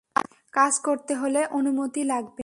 কাজ করতে হলে অনুমতি লাগবে।